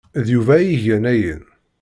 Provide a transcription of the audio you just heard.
D Yuba ay igan ayen.